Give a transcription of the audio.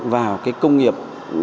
vào công nghiệp